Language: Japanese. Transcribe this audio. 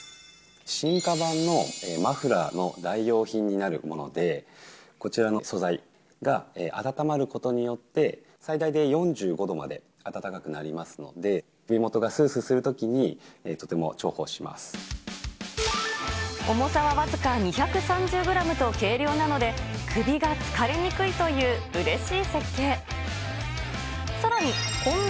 進化版のマフラーの代用品になるもので、こちらの素材が温まることによって、最大で４５度まで温かくなりますので、首元がすーすーするときに、重さは僅か２３０グラムと計量なので、首が疲れにくいといううれしい設計。